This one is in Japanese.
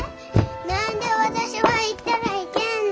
何で私は行ったらいけんの？